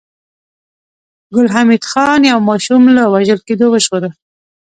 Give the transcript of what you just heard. ګل حمید خان يو ماشوم له وژل کېدو وژغوره